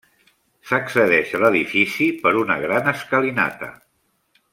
S'accedeix a l'edifici per una gran escalinata.